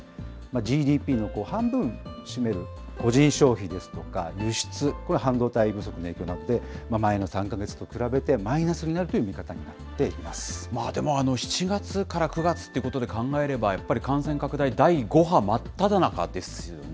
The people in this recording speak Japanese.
ＧＤＰの半分占める個人消費ですとか輸出、これ、半導体不足の影響などで、前の３か月と比べてマイナスになるといでも７月から９月ってことで考えれば、やっぱり感染拡大第５波真っただ中ですよね。